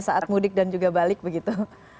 saat mudik dan juga balik begitu